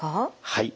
はい。